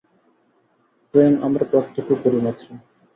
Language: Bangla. প্রেম আমরা প্রত্যক্ষ করি মাত্র।